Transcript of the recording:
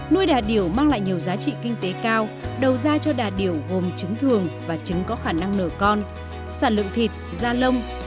nuôi đà điểu mang lại nhiều giá trị kinh tế cao đầu ra cho đà điểu gồm trứng thường và trứng có khả năng nở con sản lượng thịt da lông